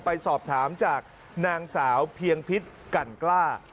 ไปสอบถามจากนางสาวเพียงพิษกันกล้า